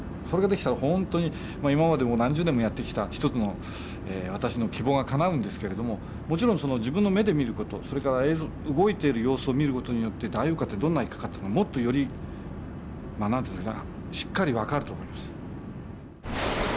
これができたら本当に今まで何十年もやってきた一つの私の希望がかなうんですけれどももちろん自分の目で見る事それから映像動いてる様子を見る事によってダイオウイカってどんなイカかもっとより何て言うかなしっかり分かると思います。